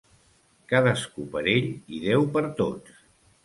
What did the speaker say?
Cadascú per ell i Déu per tots.